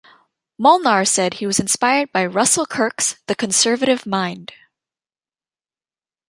Molnar said he was inspired by Russell Kirk's "The Conservative Mind".